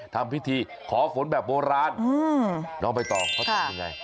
ทำพิธีขอฝนแบบโบราณน้องใบตองเขาทำยังไง